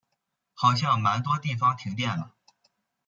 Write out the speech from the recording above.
好像蛮多地方停电了